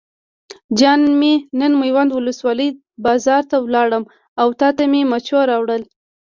جان مې نن میوند ولسوالۍ بازار ته لاړم او تاته مې مچو راوړل.